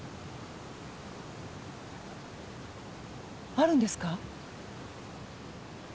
あるんですか？